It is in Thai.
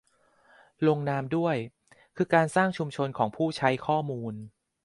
ลงนามด้วยคือการสร้างชุมชนของผู้ใช้ข้อมูล